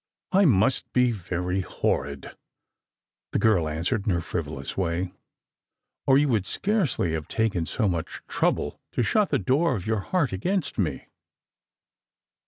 " I must be very horrid," the girl answered, in her frivolous way, " or you would scarcely have taken so much trouble to shut the door of your heart against me."